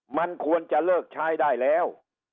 มันควรจะเลิกใช้ได้แล้ว